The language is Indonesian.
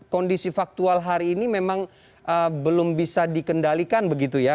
kondisi faktual hari ini memang belum bisa dikendalikan begitu ya